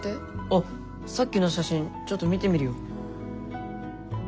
あっさっきの写真ちょっと見てみるよ。